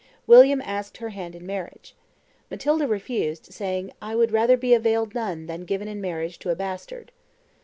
William asked her hand in marriage. Matilda refused, saying, "I would rather be veiled nun than given in marriage to a bastard."